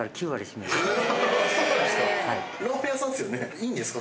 いいんですか？